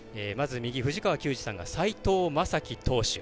藤川球児さんが斎藤雅樹投手。